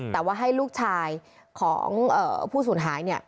แต่ว่าให้ลูกชายของผู้สูญหาย